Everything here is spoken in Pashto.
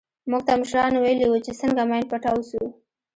موږ ته مشرانو ويلي وو چې څنگه ماين پټاو سو.